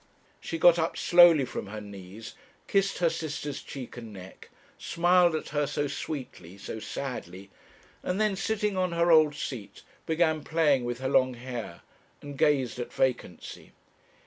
She got up slowly from her knees, kissed her sister's cheek and neck, smiled at her so sweetly, so sadly, and then sitting on her old seat, began playing with her long hair, and gazing at vacancy.